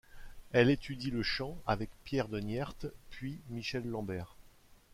Elle étudie le chant avec Pierre de Nyert, puis Michel Lambert.